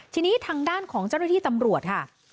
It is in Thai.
ทีนี้ทางด้านของเจ้าหน้าที่ตำรวจค่ะ